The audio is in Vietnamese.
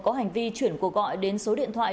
có hành vi chuyển cuộc gọi đến số điện thoại